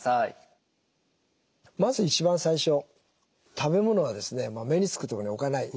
まず一番最初食べ物は目につくところに置かない。